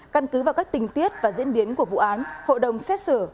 căn cứ vào các tình tiết và diễn biến của vụ án hội đồng xét xử